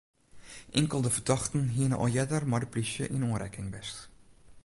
Inkelde fertochten hiene al earder mei de plysje yn oanrekking west.